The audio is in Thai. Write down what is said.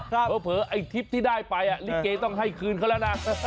เผลอไอ้ทริปที่ได้ไปลิเกต้องให้คืนเขาแล้วนะ